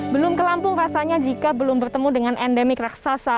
belum ke lampung rasanya jika belum bertemu dengan endemik raksasa